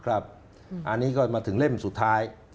อันนี้ก็มาถึงเล่มสุดท้าย